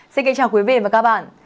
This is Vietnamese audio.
xin kính chào quý vị và các bạn